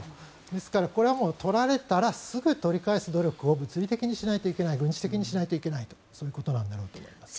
ですから、これは取られたらすぐに取り返す努力を物理的に軍事的にしないといけないそういうことだろうと思います。